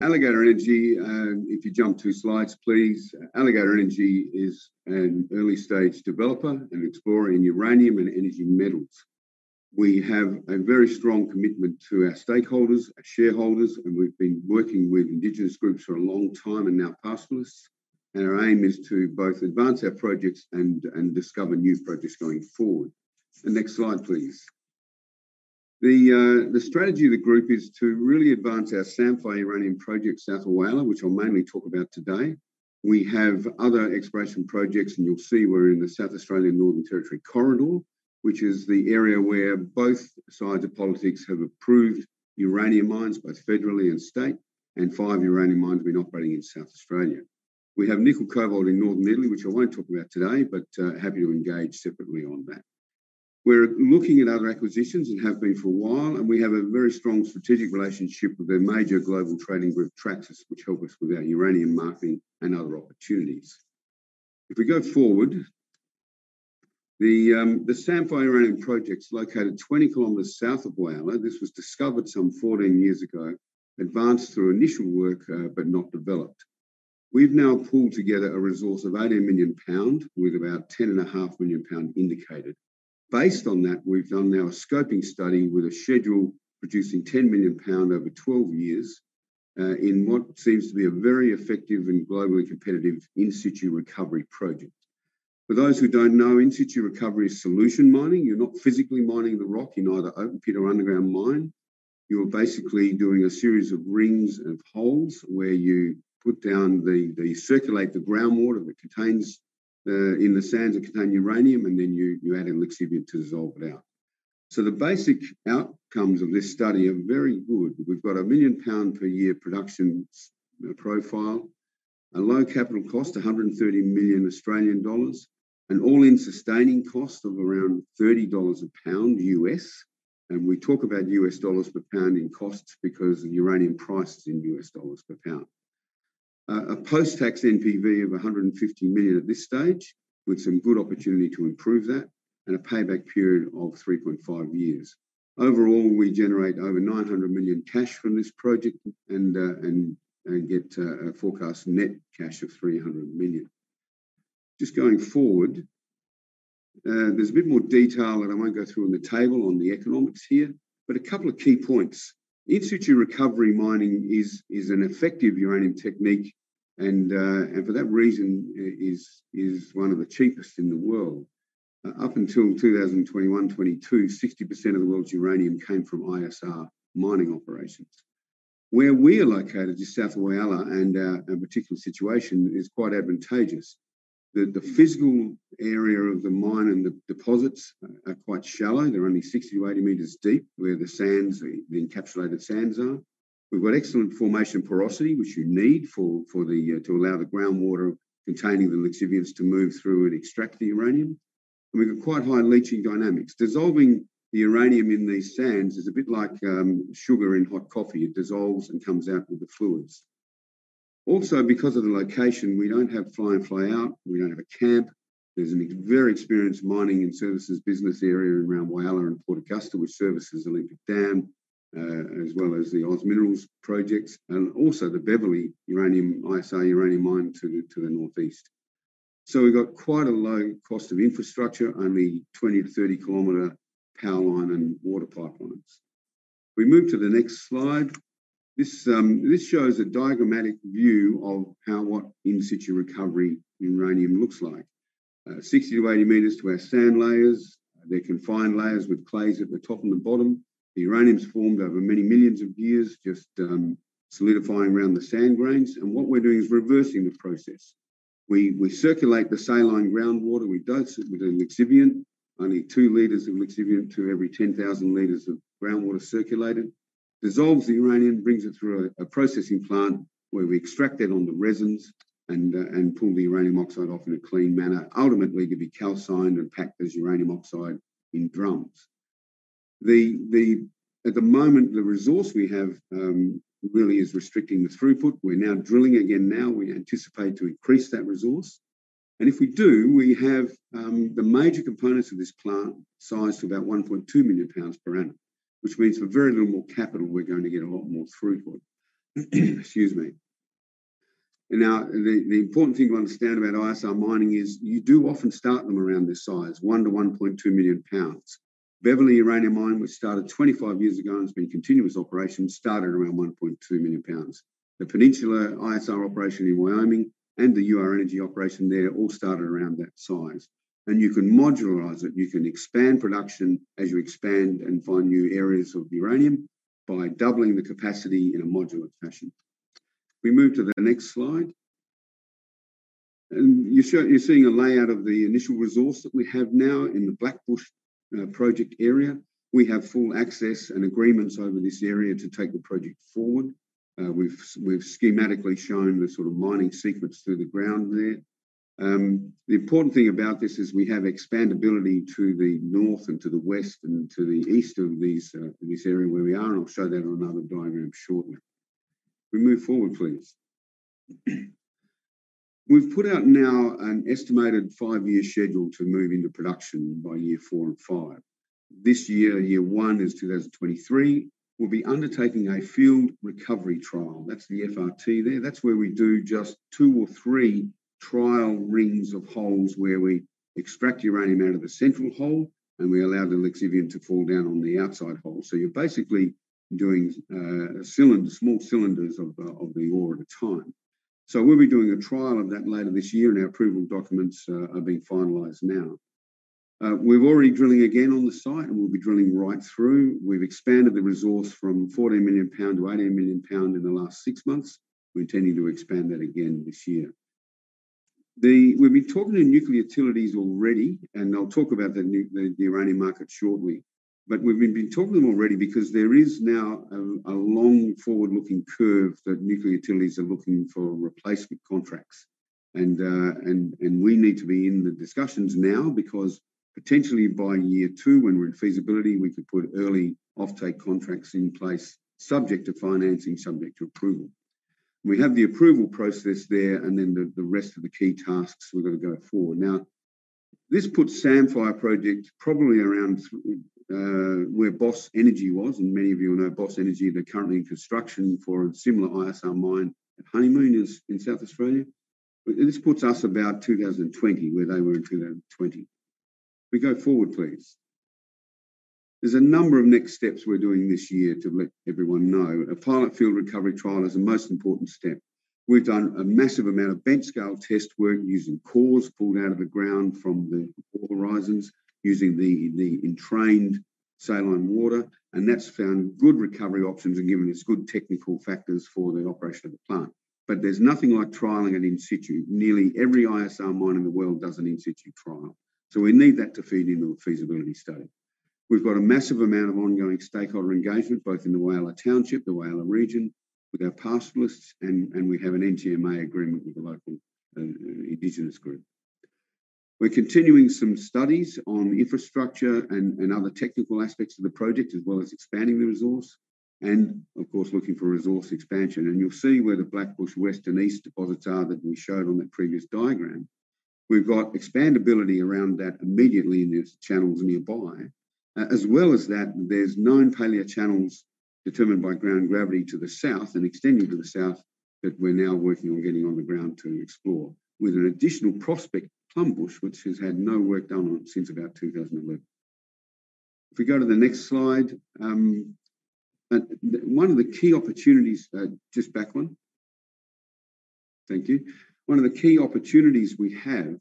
Alligator Energy. If you jump two slides, please. Alligator Energy is an early-stage developer and explorer in uranium and energy metals. We have a very strong commitment to our stakeholders, our shareholders, and we've been working with indigenous groups for a long time and our pastoralists. Our aim is to both advance our projects and discover new projects going forward. The next slide, please. The strategy of the group is to really advance our Samphire Uranium project, south of Whyalla, which I'll mainly talk about today. We have other exploration projects, and you'll see we're in the South Australian Northern Territory corridor, which is the area where both sides of politics have approved uranium mines, both federally and state. Five uranium mines have been operating in South Australia. We have nickel cobalt in Northern Italy, which I won't talk about today. Happy to engage separately on that. We're looking at other acquisitions and have been for a while. We have a very strong strategic relationship with a major global trading group, Traxys, which help us with our uranium marketing and other opportunities. If we go forward. The Samphire Uranium project's located 20 kilometers south of Whyalla. This was discovered some 14 years ago. Advanced through initial work, but not developed. We've now pulled together a resource of 80 million pound with about 10.5 million pound indicated. Based on that, we've done now a scoping study with a schedule producing 10 million pound over 12 years in what seems to be a very effective and globally competitive in situ recovery project. For those who don't know, in situ recovery is solution mining. You're not physically mining the rock in either open pit or underground mine. You're basically doing a series of rings of holes where you put down circulate the groundwater that contains in the sands that contain uranium, and then you add in leachate to dissolve it out. The basic outcomes of this study are very good. We've got a 1 million pound per year production profile. A low capital cost, 130 million Australian dollars. An all-in sustaining cost of around $30 a pound USD. We talk about USD per pound in costs because the uranium price is in USD per pound. A post-tax NPV of 150 million at this stage with some good opportunity to improve that and a payback period of 3.5 years. Overall, we generate over 900 million cash from this project and get a forecast net cash of 300 million. Just going forward. There's a bit more detail, and I won't go through on the table on the economics here, but a couple of key points. In situ recovery mining is an effective uranium technique and for that reason is one of the cheapest in the world. Up until 2021, 2022, 60% of the world's uranium came from ISR mining operations. Where we are located just south of Whyalla and our particular situation is quite advantageous. The physical area of the mine and the deposits are quite shallow. They're only 60 to 80 meters deep where the sands, the encapsulated sands are. We've got excellent formation porosity, which you need for the to allow the groundwater containing the lixiviants to move through and extract the uranium. We've got quite high leaching dynamics. Dissolving the uranium in these sands is a bit like sugar in hot coffee. It dissolves and comes out with the fluids. Because of the location, we don't have fly-in, fly-out. We don't have a camp. There's a very experienced mining and services business area around Whyalla and Port Augusta, which services Olympic Dam, as well as the OZ Minerals projects and also the Beverley Uranium, ISR uranium mine to the northeast. We've got quite a low cost of infrastructure, only 20-30 kilometer power line and water pipelines. We move to the next slide. This shows a diagrammatic view of how what in situ recovery in uranium looks like. 60-80 meters to our sand layers. They're confined layers with clays at the top and the bottom. The uranium's formed over many millions of years, just solidifying around the sand grains. What we're doing is reversing the process. We circulate the saline groundwater, we dose it with a lixiviant. Only 2 liters of lixiviant to every 10,000 liters of groundwater circulated. Dissolves the uranium, brings it through a processing plant where we extract that on the resins and pull the uranium oxide off in a clean manner, ultimately to be calcined and packed as uranium oxide in drums. The at the moment, the resource we have really is restricting the throughput. We're now drilling again now. We anticipate to increase that resource. If we do, we have the major components of this plant sized to about 1.2 million pounds per annum, which means for very little more capital, we're going to get a lot more throughput. Excuse me. The important thing to understand about ISR mining is you do often start them around this size, 1-1.2 million pounds. Beverley Uranium Mine, which started 25 years ago and has been in continuous operation, started around 1.2 million pounds. The Peninsula ISR operation in Wyoming and the Ur-Energy operation there all started around that size. You can modularize it. You can expand production as you expand and find new areas of uranium by doubling the capacity in a modular fashion. We move to the next slide. You're seeing a layout of the initial resource that we have now in the Blackbush project area. We have full access and agreements over this area to take the project forward. We've schematically shown the sort of mining sequence through the ground there. The important thing about this is we have expandability to the north and to the west and to the east of these, this area where we are, and I'll show that on another diagram shortly. We move forward, please. We've put out now an estimated five-year schedule to move into production by year four and five. This year 1 is 2023. We'll be undertaking a field recovery trial. That's the FRT there. That's where we do just two or three trial rings of holes, where we extract uranium out of the central hole, and we allow the lixiviant to fall down on the outside hole. You're basically doing small cylinders of the ore at a time. We'll be doing a trial of that later this year, and our approval documents are being finalized now. We're already drilling again on the site, and we'll be drilling right through. We've expanded the resource from 40 million pounds to 80 million pounds in the last six months. We're intending to expand that again this year. We've been talking to nuclear utilities already, and I'll talk about the uranium market shortly. We've been talking to them already because there is now a long forward-looking curve that nuclear utilities are looking for replacement contracts. We need to be in the discussions now because potentially by year two, when we're in feasibility, we could put early offtake contracts in place subject to financing, subject to approval. We have the approval process there and then the rest of the key tasks we've got to go forward. This puts Samphire project probably around where Boss Energy was, and many of you will know Boss Energy. They're currently in construction for a similar ISR mine at Honeymoon in South Australia. This puts us about 2020, where they were in 2020. We go forward, please. There's a number of next steps we're doing this year to let everyone know. A pilot field recovery trial is the most important step. We've done a massive amount of bench scale test work using cores pulled out of the ground from the ore horizons using the entrained saline water, and that's found good recovery options and given us good technical factors for the operation of the plant. There's nothing like trialing an in situ. Nearly every ISR mine in the world does an in situ trial. We need that to feed into a feasibility study. We've got a massive amount of ongoing stakeholder engagement, both in the Whyalla township, the Whyalla region, with our pastoralists, and we have an NTMA agreement with the local indigenous group. We're continuing some studies on infrastructure and other technical aspects of the project, as well as expanding the resource and of course, looking for resource expansion. You'll see where the Blackbush west and east deposits are that we showed on the previous diagram. We've got expandability around that immediately in these channels nearby. As well as that, there's nine palaeochannels determined by ground gravity to the south and extending to the south that we're now working on getting on the ground to explore with an additional prospect, Plumbush, which has had no work done on it since about 2011. We go to the next slide. One of the key opportunities... Just back one. Thank you. One of the key opportunities we have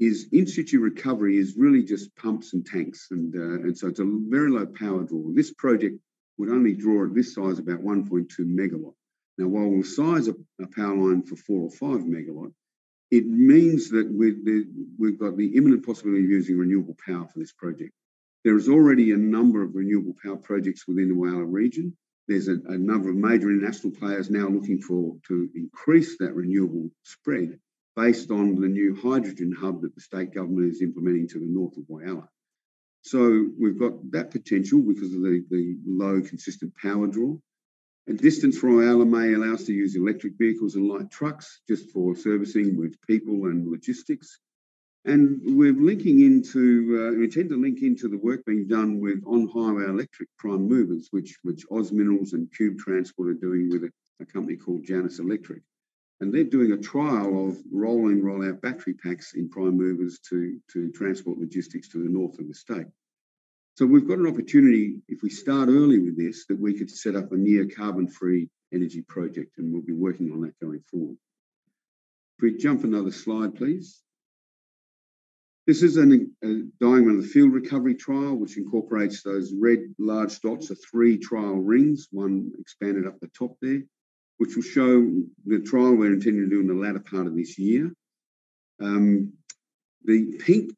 is in situ recovery is really just pumps and tanks, and so it's a very low power draw. This project would only draw at this size about 1.2 MW. While we'll size a power line for 4 or 5 MW, it means that we've got the imminent possibility of using renewable power for this project. There is already a number of renewable power projects within the Whyalla region. There's a number of major international players now looking to increase that renewable spread based on the new hydrogen hub that the state government is implementing to the north of Whyalla. We've got that potential because of the low consistent power draw. Distance from Whyalla may allow us to use electric vehicles and light trucks just for servicing with people and logistics. We're linking into, we tend to link into the work being done with on-highway electric prime movers, which OZ Minerals and Qube are doing with a company called Janus Electric. They're doing a trial of roll in, roll out battery packs in prime movers to transport logistics to the north of the state. We've got an opportunity, if we start early with this, that we could set up a near carbon-free energy project, and we'll be working on that going forward. If we jump another slide, please. This is a diagram of the field recovery trial, which incorporates those red large dots. The 3 trial rings, one expanded up the top there, which will show the trial we're intending to do in the latter part of this year. The pink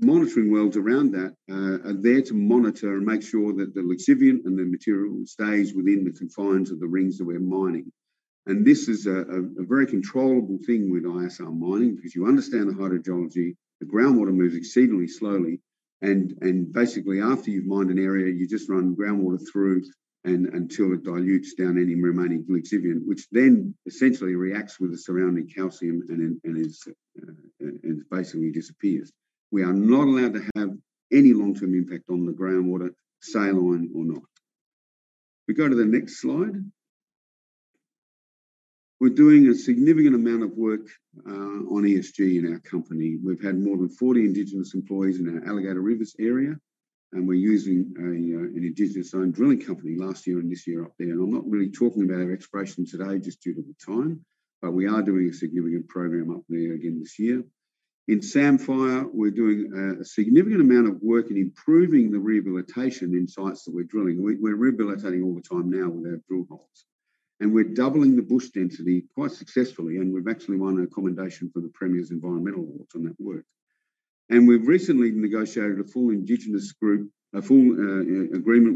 monitoring wells around that are there to monitor and make sure that the lixiviant and the material stays within the confines of the rings that we're mining. This is a very controllable thing with ISR mining because you understand the hydrogeology. The groundwater moves exceedingly slowly, and basically after you've mined an area, you just run groundwater through until it dilutes down any remaining lixiviant, which then essentially reacts with the surrounding calcium and basically disappears. We are not allowed to have any long-term impact on the groundwater, saline or not. We go to the next slide. We're doing a significant amount of work on ESG in our company. We've had more than 40 indigenous employees in our Alligator Rivers area. We're using an indigenous-owned drilling company last year and this year up there. I'm not really talking about our exploration today just due to the time, but we are doing a significant program up there again this year. In Samphire, we're doing a significant amount of work in improving the rehabilitation in sites that we're drilling. We're rehabilitating all the time now with our drill holes. We're doubling the bush density quite successfully, and we've actually won a commendation for the Premier's Awards in Energy and Mining on that work. We've recently negotiated a full agreement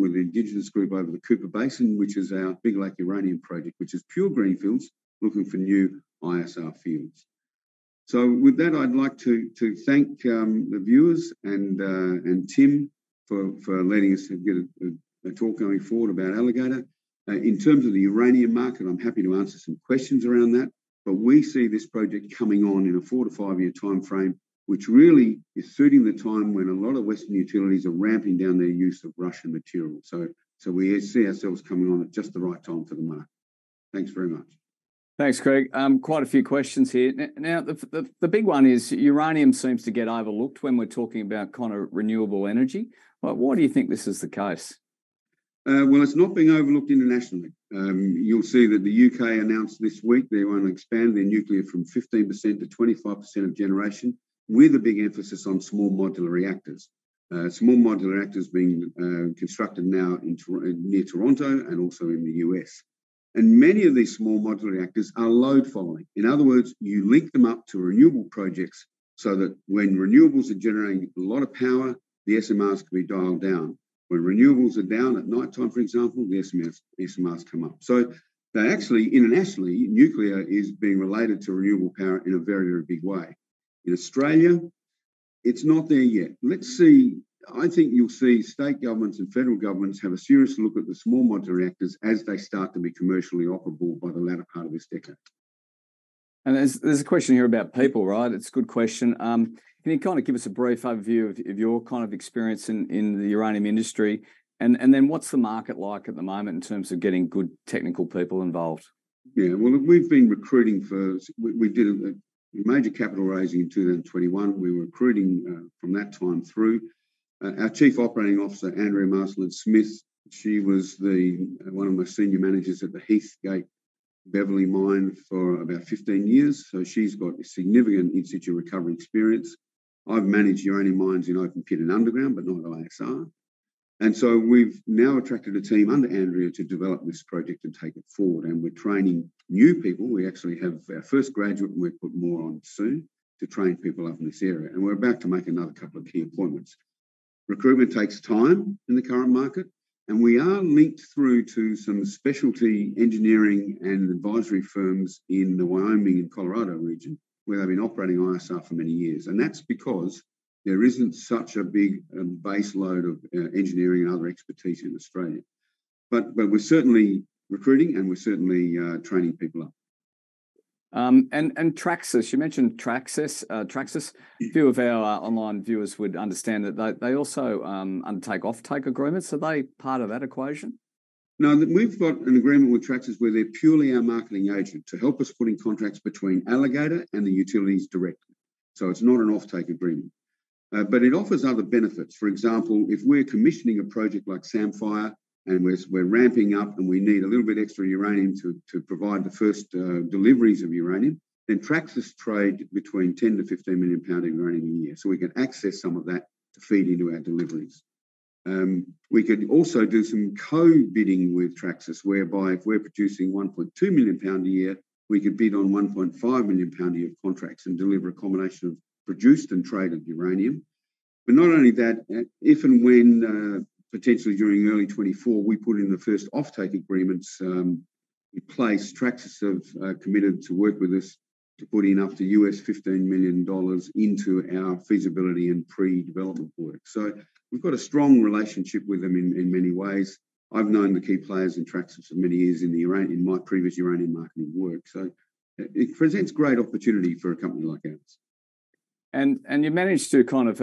with the indigenous group over the Cooper Basin, which is our Big Lake uranium project, which is pure greenfields looking for new ISR fields. With that, I'd like to thank the viewers and Tim for letting us get a talk going forward about Alligator. In terms of the uranium market, I'm happy to answer some questions around that. We see this project coming on in a 4-5-year timeframe, which really is suiting the time when a lot of Western utilities are ramping down their use of Russian material. We see ourselves coming on at just the right time for the market. Thanks very much. Thanks, Craig. quite a few questions here. Now the big one is uranium seems to get overlooked when we're talking about kind of renewable energy. Why do you think this is the case? Well, it's not being overlooked internationally. You'll see that the U.K. announced this week they want to expand their nuclear from 15% to 25% of generation with a big emphasis on small modular reactors. Small modular reactors being constructed now near Toronto and also in the U.S. Many of these small modular reactors are load following. In other words, you link them up to renewable projects so that when renewables are generating a lot of power, the SMRs can be dialed down. When renewables are down at nighttime, for example, the SMRs come up. They actually internationally, nuclear is being related to renewable power in a very, very big way. In Australia, it's not there yet. Let's see. I think you'll see state governments and federal governments have a serious look at the small modular reactors as they start to be commercially operable by the latter part of this decade. There's a question here about people, right? It's a good question. Can you kind of give us a brief overview of your kind of experience in the uranium industry? Then what's the market like at the moment in terms of getting good technical people involved? Yeah. We've been recruiting for. We did a major capital raising in 2021. We were recruiting from that time through. Our Chief Operating Officer, Andrea Marsland-Smith, she was one of my senior managers at the Heathgate Beverley mine for about 15 years. She's got significant in situ recovery experience. I've managed uranium mines in open pit and underground, but not ISR. We've now attracted a team under Andrea to develop this project and take it forward, and we're training new people. We actually have our first graduate, and we'll put more on soon to train people up in this area, and we're about to make another couple of key appointments. Recruitment takes time in the current market, we are linked through to some specialty engineering and advisory firms in the Wyoming and Colorado region, where they've been operating ISR for many years. That's because there isn't such a big base load of engineering and other expertise in Australia. We're certainly recruiting, and we're certainly training people up. Traxys. You mentioned Traxys. A few of our online viewers would understand that they also undertake offtake agreements. Are they part of that equation? No. We've got an agreement with Traxys where they're purely our marketing agent to help us put in contracts between Alligator and the utilities directly. It's not an offtake agreement. It offers other benefits. For example, if we're commissioning a project like Samphire, and we're ramping up, and we need a little bit extra uranium to provide the first deliveries of uranium, then Traxys trade between 10 million-15 million pounds in uranium a year. We can access some of that to feed into our deliveries. We could also do some co-bidding with Traxys whereby if we're producing 1.2 million pound a year, we could bid on 1.5 million pound a year of contracts and deliver a combination of produced and traded uranium. Not only that, if and when, potentially during early 2024, we put in the first offtake agreements in place, Traxys have committed to work with us to put in up to $15 million into our feasibility and pre-development work. We've got a strong relationship with them in many ways. I've known the key players in Traxys for many years in my previous uranium marketing work. It presents great opportunity for a company like ours.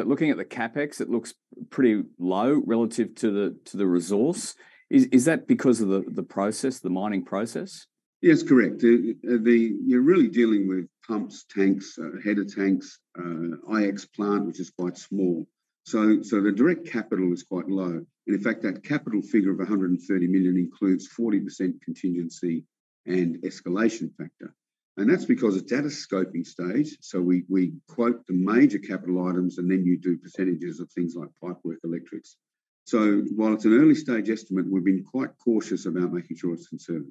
Looking at the CapEx, it looks pretty low relative to the, to the resource. Is that because of the process, the mining process? Yes, correct. The... you're really dealing with pumps, tanks, header tanks, IX plant, which is quite small. So the direct capital is quite low. In fact, that capital figure of 130 million includes 40% contingency and escalation factor. That's because it's at a scoping stage, so we quote the major capital items, and then you do percentages of things like pipework, electrics. While it's an early-stage estimate, we've been quite cautious about making sure it's conservative